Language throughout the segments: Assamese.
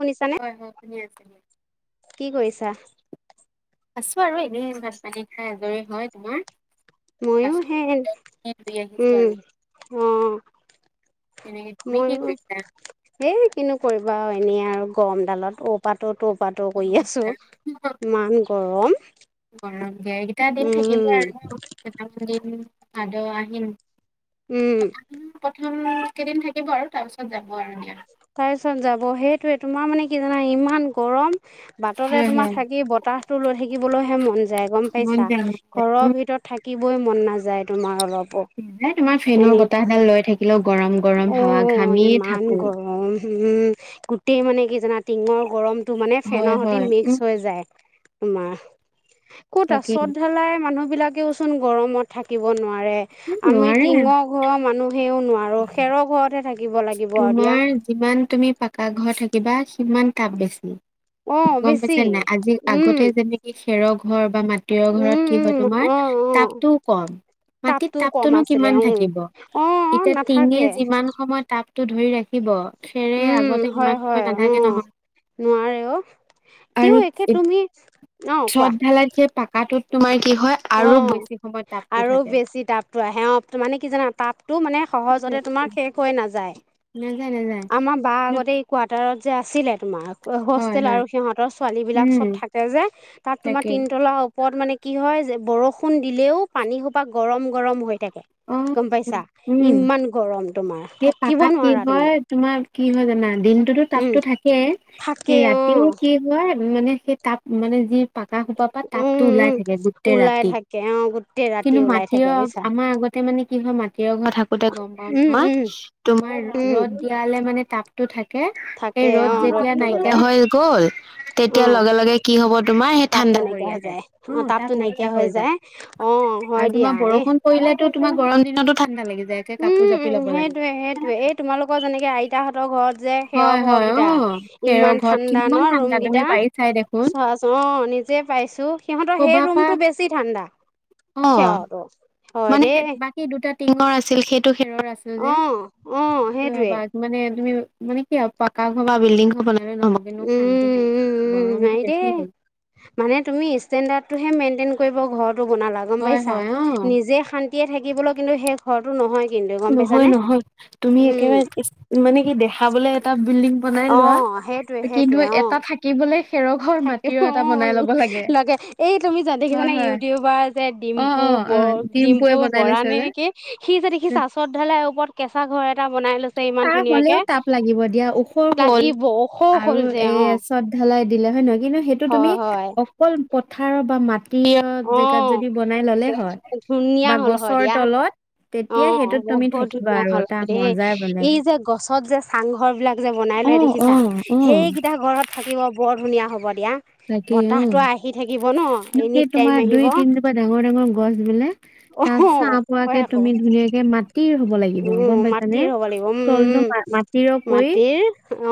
শুনিছানে হয়, হয়। শুনিয় আছো। কি কৰিছা। আছো আৰু এনেই ভাত পানী খাই আজৰি হয় তোমাৰ। ময়ো বাচন হে বৰ্তন খিনি ধুই আহিছোঁ উম আৰু অ। তেনেকে তুমি কি মইো কৰিছা? এইেই কিনো কৰিব আৰু এনেই আৰু গৰম ডালত ঔপাতোতটো। পাতো কৰি উম, আছো আৰু ইমান গৰম। আৰু গেৰ কেইটা দিন থাকিবই উম আৰু কেইটামান দিন ভাদহ, আহিন। উম। আহিনৰ প্ৰথম কেইদিন থাকিব আৰু তাৰপিছত যাম। তাৰ চত যাব সেইটোৱে তোমাৰ মানে কি জানা ইমান গৰম। বাটতে হয় তোমাৰ হয় থাকি বতাহতটো লৈ থাকিবলৈহে মন যায়, গম মন পাইছা যায় মন যায় ঘৰৰ উম। ভিতৰত থাকি। ই মন নাযায় তোমাৰ অলপ। সেই তোমাৰ ফেনৰ বতাহ এডাল লৈ থাকিলেও গৰম গৰম অ হাৱা ঘামিয় ইমান থাকো। গৰম উম গোটেই মানে কি জানা টিঙৰ গৰম। তটো মানে ফেনৰ হয় সৈতে হয় মিক্স উম হৈ যায়। তোমাৰ ক'ত আ তাকেই চত ঢালাই মানুহ বিলাকেওচোন গৰমত থাকিব নোৱাৰে। উম আমি নোৱাৰে টিঙৰ ঘৰৰ মানুহেও নোৱাৰো। খেৰৰ ঘৰত হে থাকিব লাগিব। দিয়া যিমান তুমি পাকা ঘৰ থাকিবা সিমান কাম বেছি। অ গম বেছি পাইছে নাই আজি উম আগতে যেনেকি খেৰ ঘৰ বা মাটি। তেয় ঘৰত উম কি হয় উম তোমাৰ অ অ তাপটোও কম। মাটিত তাপটো কম তাপটোনো আছিলে কিমান উম থাকিব। অ অ এতিয়া টিঙে নাথাকে যিমান সময় তাপ। তাপটো ধৰি ৰাখিব ফেৰে উম আগতে হয় ইমান সময় হয় অ নাথাকে নহয়। নোৱাৰে অ' আৰু তেওঁ একে তুমি অ' কোৱা। কাটোত তোমাৰ কি হয় অ আৰু বেছি সময়। তাপটো আৰু থাকে বেছি তাপতটো আহে। মানে কি জানা তাপতটো মানে সহজতে তোমাৰ শেষ হৈ নাযায়। নাযায় নাযায় আমাৰ বা আগতে এই কোৱাৰ্টাৰত যে আছিলে তোমাৰ। হয় হোষ্টেল হয় আৰু সিহঁতৰ ছোৱালী বিলাক উম চব থাকে যে তাত তোমাৰ তাকেই তিনতলা হয়। ওপৰত মানে কি হয় যে বৰষুণ দিলেও পানী সোপা গৰম-গৰম হয়। তাকে অ গম পাইছা উম ইমান গৰম তোমাৰ সেই থাকিব পাকাত কি নোৱাৰা হয় তুমি। তোমাৰ কি হয় জানা দিনটোতো উম তাপতো থাকেই সে থাকে অ ৰাতিও কি হয়। মানে সেই তাপ মানে যি পাক সোপাৰ পৰা উম তাপতটো ওলাই উম থাকে গোটেই ওলাই ৰাতি থাকে অ গোটেই ৰাতি কিন্তু ওলাই মাটি থাকে বুজিছা আমাৰ আগতে তাতে মানে কি হয় মাটিৰৰ ঘৰ থাকোতে গম পাওঁ উম নহয়। উম তোমাৰ উম ৰদ দিয়ালে মানে তাপতটো থাকে। থাকে এই অ ৰ'দ যেতিয়া ৰ'দটো গলে নাইকিয়া হৈ গ'ল অ তেতিয়া লগে লগে কি হ'ব তোমাৰ সেইা তাপটো ঠাণ্ডা পৰি নাইকিয়া হৈ আহে যায় অ' তাপটো তাত নাইকিয়া হৈ যায় অ হয় আৰু দিয়া তোমাৰ এই বৰষুণ পৰিলেো তোমাৰ গৰম দিনটো ঠাণ্ডা লাগি যায়ে কাপোৰ জাপি ল'ব লাগে [unintelligible] ত সেইটোয়ে এই তোমালোকৰ যেনেকে আইতাহঁতৰ ঘৰত যে সেৱ হয় হয় ঘৰকেইটা অ খেৰৰ ইমান ঘৰত ঠাণ্ডা ন কিমান ৰুম ঠাণ্ডা তুমি কেইটা পাৰিছাই দেখোন চোৱাচ অ নি নিজে পাইছো সিহঁতৰ সেই ক'বা পা ৰুমতটো বেছি ঠাণ্ডা অ সিহতো। মানে বাক টো খেৰৰ আছিল অ', অ', যে সেইটোৱে। বাঘ মানে তুমি, মানে কি আৰু পকা ঘৰ বা বিল্ডিং ঘৰ বনালে নহ কিন্তু উম, শান্তি নাই দ উম, উম, নাই গৰমতটো দেই বেছি হল। মানে তুমি ষ্টেনডাৰটোহে কৰিব ঘৰটো বনালা গম হয় পাইছা হয় অ নিজে শান্তিয়ে থাকিবলৈ কিন্তু সেই ঘৰটো নহয়। কিন্তু গম পাইছানে নহয়-নহয় তুমি উম, একেবাৰে মানে কি দেখাবলে এটা বিল্ডিং, বনাই লোৱা অ', সেইটোৱে কিন্তু সেইটোৱে অ'। এটা থাকিব থাকে অ' লাগে লগে এই তুমি যোন হয় দেখিছানে হয় ইউটিউবাৰ যে অ ডিম্পু, অ অ ডিম্পুৱে বডিম্পু বনাই বৰা লৈছে নে যে সি যদি সি চত ঢলাই ওপৰত কেঁচা ঘৰ এটা বনাই লৈছে ইমান তাৰ ধুনীয়াকে হ'লেও তাপ লাগিব দিয়া ওখৰ হ'ল লাগিব ওখ হ'ল আৰু যে এ অ চ ঢেলাই দিলে হয় নে নহয় কিন্তু সেইটো তুমি হয় হয় অকল পথাৰৰ বা মাত অ জেগাত যদি বনাই ল'লে হয় ধুনীয়া বা হ'ল হয় গছৰ দিয়া তলত অ তেতিয়া সেইটোত তুমি বহুত থাকিবা ধুনীয়া আৰু হ'ল হয় তাৰ দেই মজাৰ এই যে গছত যে চাংঘৰ বিলাক যে বনাই লৈ অ', দেখিছা অ', অ', সেইকেইটা ঘৰত থাকিব বৰ ধুনীয়া হব। দিয়া তাকেই বতাহটো আহি থাকিব ন অ' এনি সেই টাইম তোমাৰ দুই আহিব তিনজোপা ডাঙৰ-ডাঙৰ গছ বিলাক অ তাত চছাঁ হয় পোৱাকে আকৌ তুমি ধুনীয়াকে মাটিৰ ৰোব লাগিব উ গম পাইছানে মাটিৰ হ'ব লাগিব উম তলটো উম মাটিৰ কৰি মাটিৰ অ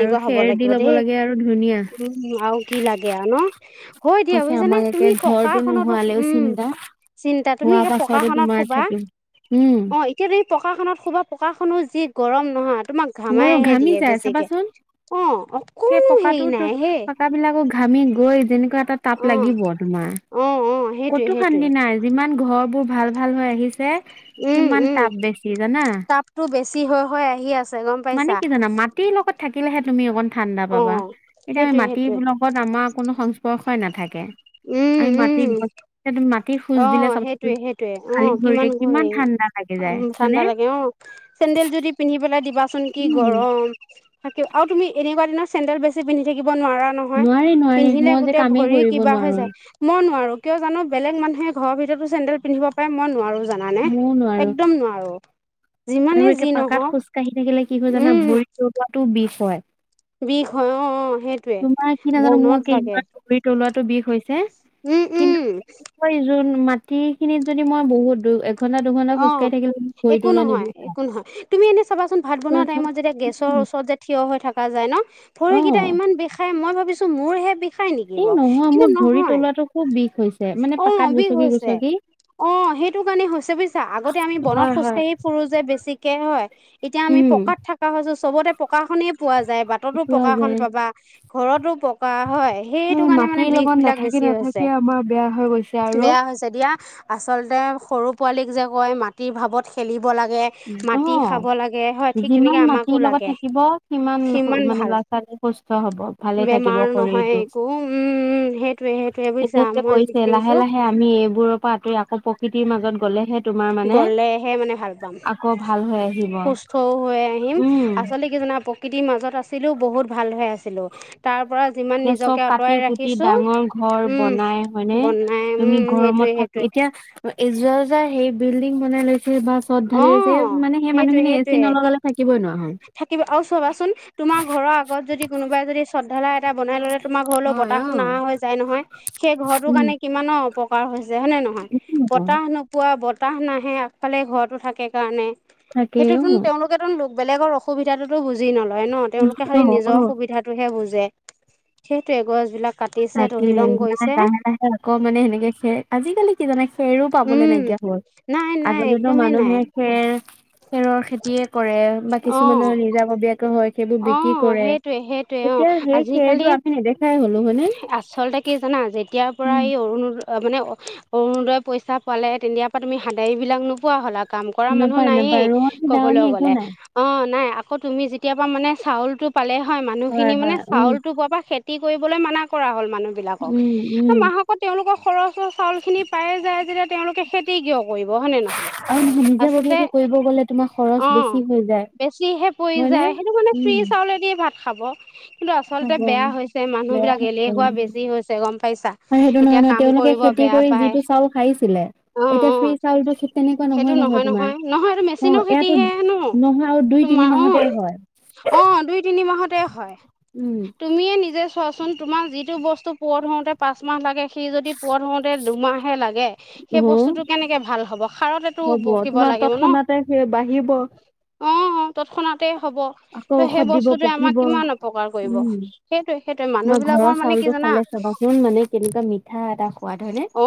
আৰু হ'ব খেৰ দি লাগিব ল'ব দেই লাগে আৰু ধুনীয়া উম আৰু কি লাগে আৰু ন হয় দিয়া কৈছে বুজিছানে আমাক একে তুমি পকা ঘৰটো এখনতো নোহোৱালেও উম চিন্তা চিন্তা তুমি হোৱাৰ এইে পাছতো পকাখননত তোমাৰ শুবা থাকিম। উম, পকা খনত শোবা পকা খনো যি গৰম নহয় তোমাক গৰম ঘামাইহে ঘামি দিয়ে যায় বেছিকে। চাবাচোন অ সেই অকনো হেৰি পকাটোতো নাই হে পকা বিলাকো ঘামি গৈ যেনেকুৱা এটাত তাপ অ লাগিব তোমাৰ অ অ সেইটোৱে কতো সেইটোৱে শান্তি নাই যিমান ঘৰ বোৰ ভাল ভাল হৈ আহিছে উম সিমান উম তাপ বেছি জানা। তাপতো বেছি হৈ হৈ আহি আছে গম মানে পাইছা কি জানা মাটিৰ লগত থাকিলেহে তুমি অকণ ঠাণ্ডা অ পাবা এতিয়া আমি সেইটোৱে সেইটোৱে মাটিৰ লগত আমাৰ কোনো সংস্পৰ্শই নাথাকে আমি মাটিৰ উম-উম। গছ এতিয়া তুমি মাটিত খোজ অ দিলে চাবাচোন সেইটোৱে সেইটোয়ে অ খালী ভৰিৰে কিমান ঠাণ্ডা লাগি যায় হয়নে? ঠাণ্ডা লাগে অ চেন্দেল যদি পিন্ধি পেলাই দিবাচোন কি উম। গৰম থাকি আৰু তুমি এনেকুৱা দিনত চেন্দেল বেছি পিন্ধি থাকিব নোৱাৰা নহয় নোৱাৰি নোৱাৰি পিন্ধিলে মই যে গোটেই কামেই ভৰি কৰিব কিবা হৈ নোৱাৰো যায় মই নোৱাৰো কিয় জানো বেলেগ মানুহ সেই ঘৰৰ ভিতৰতো চেন্দেল পিন্ধিব পাৰে মই নোৱাৰো জানানে ময়ও নোৱাৰো একদম নোৱাৰো। আৰু যিমানে একে যি পাকাত নহওক খোজকাঢ়ি থাকিলে কি হয় জানা উম ভৰিৰ তলুৱাটো বিষ হয়। বিষ হয় অ অ সেইটোৱে তোমাৰ কি নাজানো মোৰ বনত একে লাগে ইমান ভৰি তলত বিষ হৈছে উম কিন্তু উম মাটিখিনিত যদি মই বহুত দুঘণ্টা দুঘণ্টা খোজকাঢ়ি থাকিলে ভৰি তোলোৱাই নিব কোন হয়? তুমি এনে চাবাচোন ভাত বনোৱা টাইমত যেতিয়া গেছৰ উম, ওচৰত যে থিয় হৈ থকা যায় ন অ ভৰিকেইটা ইমান বিষাই মই ভাবিছো মোৰ হে বিষ ষাই নেকি এই বাও নহয় কিন্তু মোৰ ভৰি নহয় তলুৱাটো খুব বিষ হৈছে মানে অ পাকাত বিষ গুচকি হৈছে। গুচকি অ সেইটো কাৰণে হৈছে ব থা আগতে আমি বনত হয় হয় খোজকাঢ়ি ফুৰো যে বেছিকে হয় এতিয়া আমি উম পকাত থকা হৈছো চবতে পকা কাখনে পোৱা যায় বাটতো চোৱা পকাখন যায় পাবা ঘৰটো কৰা হয় সেইটো সেই কাৰণে মানে মাটিৰ বিষ লগত বিলাক নাথাকি বেছি হৈছে। নাথাকি আমাৰ বেয়া হৈ গৈছে আৰু বেয়া হৈছে দিয়া। আচলতে সৰু পোৱালীক যে কয় মাটিৰ ভাৱত খেলি ব লাগে মাটি অ খাব লাগে হয় ঠিক তেনেকে যিমান আমাকো মাটিৰ লগত লাগে, থাকিব সু- সিমান মানে ভাল। ল'ৰা ছোৱালী সুস্থ হব ভালে থাকিব বেমাৰ নহয় শৰীৰটো একো উম সেইটোয়ে সেইটোয়ে বুজিছা মই ইথে লাহে দেখিছো লাহে আমি এইবোৰৰ পৰা আঁতৰি আকৌ প্ৰকৃতিৰ মাজত গলেহে তোমাৰ মানে গলেহে মানে ভাল। পাম। আকৌ ভাল হৈ আহিব সুস্থও হৈ আহিম উম আচলতে কি জানা প্ৰকৃতিৰ মাজত আছিলো বহুত ভাল হৈ আছিলো তাৰ পৰা যিমান এতিয়া চব নিজকে কাটি আঁতৰাই কুটি ৰাখিছো ডাঙৰ ঘৰ উম বনাই হয়নে বনাই উম তুমি সেইটোৱে গৰমত থাক সেইটোৱে এতিয়া এ যোৱা যাই সেই বিল্ডিং বনাই লৈ বা চত অ ঢালি আছে মানে সেই সেইটোৱে মানুহখিনি এ সেইটোৱে চি নলগালে থাকিবই নোৱা হ'ল। থাকিব আৰু চাবাচোন তোমাৰ ঘৰ আগত যদি কোনোবাই যদি চত ধালাই এটা বনাই ললে তোমাৰ ঘৰলৈ হয় অ বতাহটো নহা হৈ যায় নহয়, সেই ঘৰটোৰ কাৰণে কিমানৰ অপকাৰ হৈ হৈছে যে হয় নে নহয়? উম বতাহ নোপোৱা বতাহ নাহে আগফালে ঘৰতো থাকে কাৰণে। থাকে সেইটোতোন অ তেওঁলোকেতোন লোক বেলেগৰ অসুবিধাটোতো বুজ বুজি নলয় ন তেওঁলোকে খালি অ নিজৰ অ সুবিধাটোহে বুজে, সেইটোৱে গছবিলাক তাকে লাহে লাহে আকৌ মানে সেনেকে খে আজিকালি কি জানে খেৰো পাবলে উম নাইকিয়া হ'ল, নাই নাই আগৰ দিনৰ একদমেই নাই মানুহে খেৰ খেৰৰ খেতিয়ে কৰে বা অ কিছুমানৰ নিজাববীয়াকো হয় সেইবোৰ অ বিক্ৰী কৰে, সেইটোৱে সেইটোৱে অ এতিয়া সেই আজিকালি খেৰটো আমি নেদেখাই হলো হয়নে? আচলতে কি জানা যেতিয়াৰ পৰা উম এই অৰুণোদ মানে অৰুনোদইৰ পইচা পালে তেতিয়াৰ পৰা তুমি হাধাৰীবিলাক নোপোৱা হ'লা। কাম কৰা মানুহ নাপায় নাপায় নায়েই ৰোৱনী দাৱনী কবলৈ একো গ'লে নাই। অ নাই। আকৌ তুমি যেতিয়া পৰা মানে চাউলটো পালে হয় মানুহখিনি মানে হয় উম চাউলটো পোৱাৰ পৰা খেতি কৰিব বলে মানা কৰা হ'ল মানুহ বিলাকক, উম উম এ মাহকত তেওঁলোকৰ খৰচ চাউল খিনি পায়ে যায় যেতিয়া তেওঁলোকে খেতি কিয় কৰিব, হয় নে নহয়? আৰু আচলতে নিজাববীয়াকে কৰিব গ'লে তোমাৰ খৰচ অ বেছি হৈ যায় বেছিহে পৰি হয়নে? যায় সেইটো মানে ফিজ উম চাউলে দিয়ে ভাত খাব, কিন্তু আচলতে হ'ব। বেয়া হৈছে মানুহ বেয়া বিলাক হৈছে। এলেহুৱা বেছি হৈছে। গম পাইছা আৰু সেইটো নহয় এতিয়া নহয় কাম তেওঁলোকে কৰিব খেতি বেয়া কৰি পায় যিটো চাউল খাইছিলে অ এতিয়া অ ফ্ৰী চাউলটো ঠিক তেনেকুৱা সেইটো নহয় নহয় তোমাৰ, নহয় এইটো অ মেচিনৰ এয়াটোত খেতিহে ন নহয় আৰু দুই তোমাৰ তিনি অ মাহতেই হয়। অ দুই তিনি মাহতে হয়, উম তুমিয়ে নিজে চোৱাচোন তোমাৰ যিটো বস্তু পূৰঠ হওঁতে পাঁচমাহ লাগে সি যদি পূৰঠ হওঁতে দুমাহহে লাগ গে, সেই উম বস্তুটো কেনেকে ভাল হ'ব সাৰতেটো হ'ব ব কিব তোমাৰ লাগিব ন। তৎক্ষণাতে সেই বাঢ়িব তৎক্ষণাতেই হব আকৌ ত' সেই ঔষধ দিব বস্তুটোৱে আমাক পকিব কিমান অপকাৰ কৰিব উম সেইটোৱে সেই তোমাৰ ঘৰৰ চাউলটো খালে চাবাচোন মানে কেনেকুৱা মিঠা এটা সোৱাদ হয়নে অ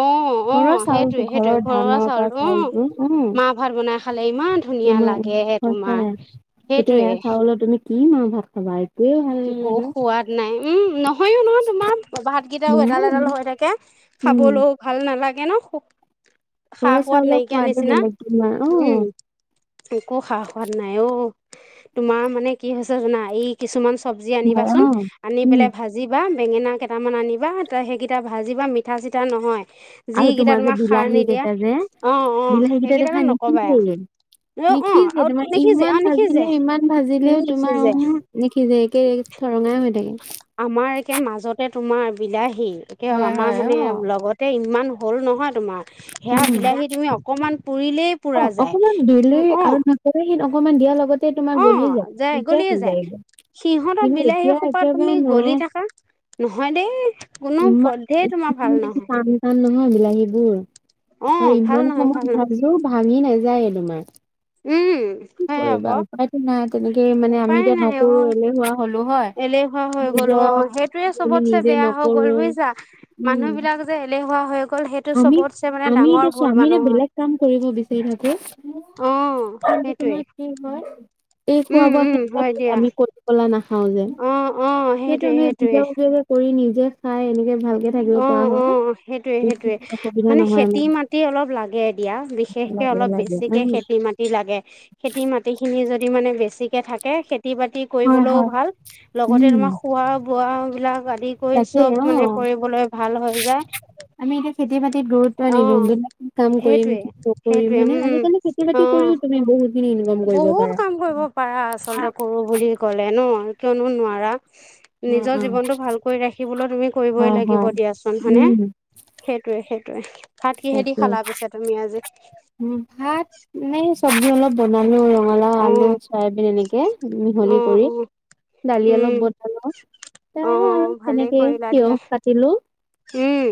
অ ঘৰৰ চাউল সেইটোৱে এটো সেইটোৱে ঘৰৰ ঘৰুৱা ধানৰ পৰা অ চাউলটো উম মাহ ভাত বনাই খালে ইমান ধুনীয়া তোমাৰ লাগে তোমাৰ সচাই এতিয়া সেইটোৱে এয়া চাউলৰ তুমি কি মাহ ভাত খাবা এই কি ক সোৱাদ নাই উম নহয়ও ন তোমাৰ ভাত কেইটাও নহয় এডাল এডাল নহয় হৈ থাকে উম খাবলো ভাল নালাগে ন সা ঘৰৰ সোৱাদ চাউলৰ নাইকিয়া সোৱাদে নিছিনা বেলেগ তোমাৰ উম অ' একো সা সোৱাদ নাই অ তোমাৰ মানে কি হৈছ চে জানা এই কিছুমান চব্জি হয় আনিবাচোন অ' আনি উম পেলাই ভাজি বা বেঙেনা কেইটামান আনিবা ত সেইকেইটা ভাজিবা মিঠা চিঠা নহয় আৰু যিকেইটা তোমাৰ যে তোমাক সাৰ বিলাহী নিদিয়া কেইটা যে অ অ বিলাহী কেইটা সেইকেইটাতো দেখা নকবাই নিখিজেই আৰু অ নিখিজে আৰু তোমাৰ নিসিজে অ ইমান নিসিজে ভাজিলে ইমান ভাজিলেও তোমাৰ নিসিজে উহো নিখিজেই একেই থৰঙাই হৈ থাকে আমাৰ একে মাজতে তোমাৰ বিলাহী একে হয় আমাৰ হয় মানে অ' লগতে ইমান হল নহয় তোমাৰ সেয়া উম বিলাহী তুমি অকমান পুৰিলেই পুৰা অ' অকমান দিলেই যায় অ আৰু নহ'লে সেই অকমান দিয়া লগতে তোমাৰ অ গলি য, যায় তেতিয়া গলিয়ে হৈ যায় গে সিহঁতৰ বিলাহী সোপাত তুমি গলি নাই থাকা নহয় দেই কোনো ইমান পধ্যেই তোমাৰ ভাল ইমান নহয় টান টান নহয় বিলাহীবোৰ অ আৰু ভাল ইমান নহয় ভাল সময়ত নহয় ভাজো ভাঙি নাযায়ে তোমাৰ উম কি হয় কৰিবা আকৌ উপায়তো নাই তেনেকে মানে আমি উপায় এতিয়া নাই অ নকৰো এলেহুৱা হলো হয় এলেহুৱা হৈ গ'ল নিজৰ অ সেইটোয়ে আমি চবতছে নিজে বেয়া হৈ গ'ল নকৰো বুজিছা উম মানুহ বিলাক যে এলেহু আমি আমি এতিয়া চোৱা ভুল আমি এতিয়া মানুহৰ বেলেগ কাম কৰিব বিচাৰি থাকো অ সেইটোৱে তোমাৰ কি হয় এই খোৱা উম বোৱা উম হয় ক্ষেত্ৰত দিয়া আমি কৰি পলা না খাওঁ যে অ অ সেইটো সেইটোৱে আমি সেইটোৱে নিজজীয়াকে কৰি নিজে খাই এনেকে ভালকে থাকিব পৰা হয়। য়ে অসুবিধা মানে নহয় খেতি আমাৰ মাটি অলপ লাগে এ দিয়া বিশেষকে লাগে অলপ লাগে বেছিকে উম খেতি মাটি লাগে। খেতি মাটি খিনি যদি মানে বেছিকে থাকে খেতি বাতি হয় কৰিবলৈও হয় ভাল লগতে উম তোমাৰ খোৱা বোৱা বিলাক আদি কৰি তাকে চব মানে অ লে ভাল হৈ যায় আমি এতিয়া খেতি বাতিত দূৰতত্ব আনিলো অঁ বলে কাম কৰিম সেইটোৱে কি নকৰিম সেইটোৱে মানে উম আজিকালি খেতি বাতি অঁ কৰিও তুমি বহুত খিনি ইনকাম কৰিব বহুত পাৰা। কাম কৰিব পাৰা আচলতে কৰো বুলি ক'লে ন কিয়নো নোৱাৰা। নিজৰ জীৱনতটো ভাল কৰি ৰাখিবলৈ তুমি অ কৰিবই হ লাগিব দিয়াচোন হইনে। সেইটোৱে-সেইটোৱে। তাকেই ভাত মানে চব্জি অলপ বনালো আৰু ৰঙলাও, অ আলু, চয়াবিন এনেকে অ অ মিহলি কৰি। দালি উম অলপ বনালো অ এতিয়া আৰু ভালেই তেনেকে কৰিলা দিয়া তিয়হ কাটিলো। উম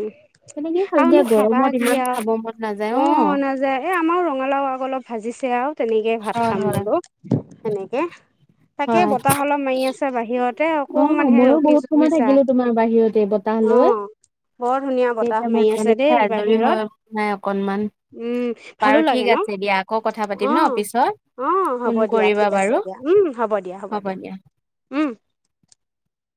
তেনেকে খালো দিয়া আৰুনো খাবা গৰমত হে কি ইমান আৰু খাব মন নাযায় অ, নাযায় এ আমাৰ ৰঙালাও আকৌ অলপ ভাজিছে ও তেনেকে ভাত হয় খাম হয় বোলো সেনেকে তাকে হয় বতাহ অলপ মাৰি আছে বাহিৰতে অ অকমান হে ময়ো বহুত ৰখিছো সময় বুইচা। থাকিলো তোমাৰ বাহিৰতে বতাহ লৈ মাৰি আছে দেই তেনেকে আজৰি বাহিৰত হৈ নাই অকনমান। উম ভালো বাৰু লাগে ঠিক ন আছে দিয়া আকৌ কথা পাতিম অ ন পিছত। অ, হ'ব ফোন দিয়া কৰিবা ঠিক আছে বাৰু দিয়া উম, হ'ব দিয়া-হ'ব দিয়া উম,